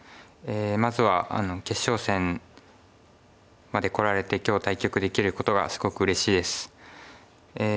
まずは決勝戦までこられて今日対局できることがすごくうれしいです。